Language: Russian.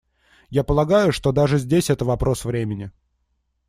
Я полагаю, что даже здесь это вопрос времени.